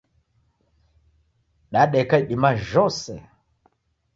Dadeka idima jhose.